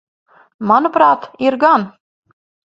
Manuprāt, ir gan.